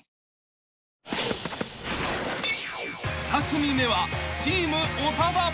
［２組目はチーム長田］